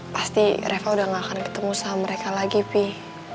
pasti reva udah gak akan ketemu sama mereka lagi sih